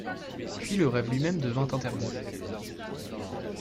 Puis le rêve lui-même devint interdit.